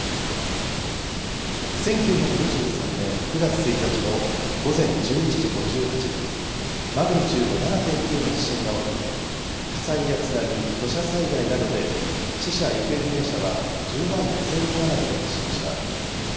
１９２３年９月１日の午前１１時５８分、マグニチュード７．９の地震が起き、火災や津波、土砂災害などで死者・行方不明者は１０万５０００人余りに達しました。